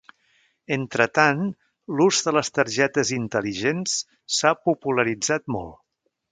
Entretant, l'ús de les targetes intel·ligents s'ha popularitzat molt.